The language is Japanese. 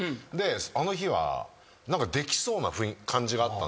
あの日は何かできそうな感じがあったんですよ。